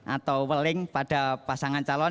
atau welling pada pasangan calon